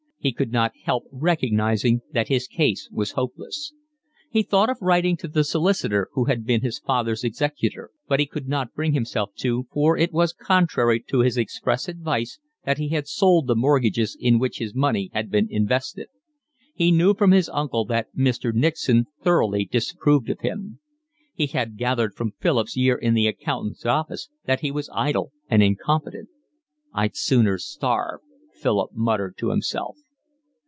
He could not help recognising that his case was hopeless. He thought of writing to the solicitor who had been his father's executor, but he could not bring himself to, for it was contrary to his express advice that he had sold the mortgages in which his money had been invested. He knew from his uncle that Mr. Nixon thoroughly disapproved of him. He had gathered from Philip's year in the accountant's office that he was idle and incompetent. "I'd sooner starve," Philip muttered to himself.